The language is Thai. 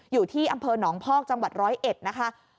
อยู่ที่อำเภอหนองพอกจังหวัดร้อยเอ็ดนะคะ